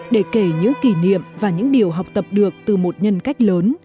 để kể những kỷ niệm và những điều học tập được từ một nhân cách lớn